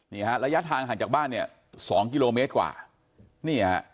ระยะทางห่างจากบ้านเนี่ยสองกิโลเมตรกว่านี่ฮะ